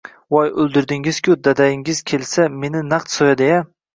Voy, o`ldirdingizku-u, dadangiz kelsa, meni naq so`yadi-ya